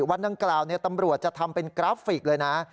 วันนั้นกล่าวเนี่ยตำรวจจะทำเป็นกราฟฟิกเลยนะ